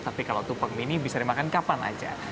tapi kalau tumpeng mini bisa dimakan kapan aja